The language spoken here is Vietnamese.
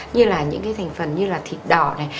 như là những cái thành phần như là thịt đỏ này